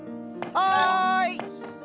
はい！